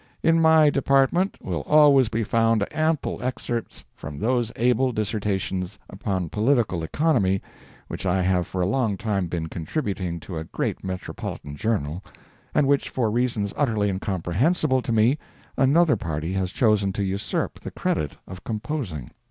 ] In my department will always be found ample excerpts from those able dissertations upon Political Economy which I have for a long time been contributing to a great metropolitan journal, and which, for reasons utterly incomprehensible to me, another party has chosen to usurp the credit of composing.